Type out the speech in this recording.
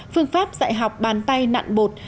phương pháp dạy học bàn tay nặn bột